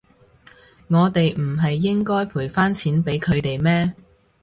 我哋唔係應該賠返錢畀佢哋咩？